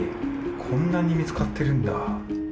こんなに見つかってるんだ。